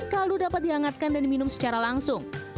kaldu dapat dihangatkan dan diminum secara langsung